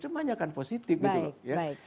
semuanya kan positif gitu loh